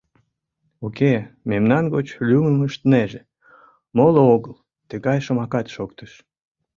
— Уке, мемнан гоч лӱмым ыштынеже, моло огыл, — тыгай шомакат шоктыш.